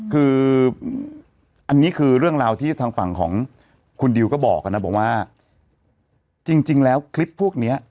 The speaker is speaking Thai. คืออันนี้คือเรื่องราวที่ทางฝั่งของคุณดิวก็บอกนะบอกว่าจริงแล้วคลิปพวกเนี้ย